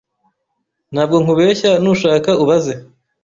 Ntabwo nkubeshya nushaka ubaze